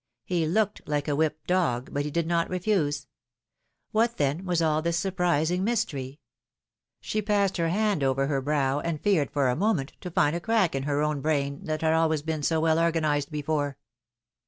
He looked like a whipped dog, but he did not refuse. What, then, was all this surprising mystery ? She passed her hand over her 19 298 philomI:ne's marriages. brow, and feared for a moment to find a crack in her own brain, that had always been so well organized before.